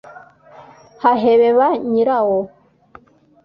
hahebeba nyirawo